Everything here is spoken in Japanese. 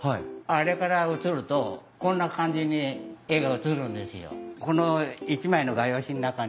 あれから映るとこんな感じに絵が映るんですよ。